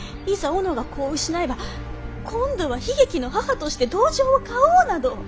己が子を失えば今度は悲劇の母として同情を買おうなど。